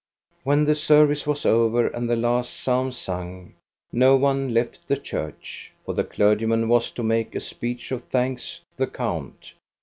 When the service was over and the last psalm sung, no one left the church, for the clergyman was to make a speech of thanks to the count.